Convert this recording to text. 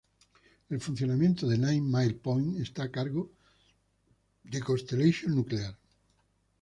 El funcionamiento de Nine Mile Point está a cargo de Constellation Nuclear.